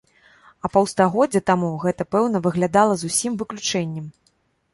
А паўстагоддзя таму гэта, пэўна, выглядала зусім выключэннем!